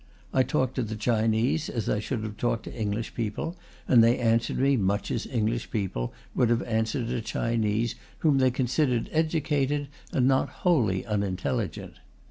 I talked to the Chinese as I should have talked to English people, and they answered me much as English people would have answered a Chinese whom they considered educated and not wholly unintelligent.